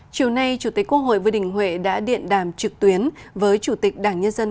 chiều nay chủ tịch quốc hội vương đình huệ đã điện đàm trực tuyến với chủ tịch đảng nhân dân